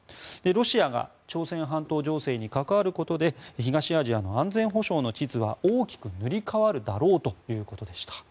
ロシアが朝鮮半島情勢に関わることで東アジアの安全保障の地図は大きく塗り変わるだろうということでした。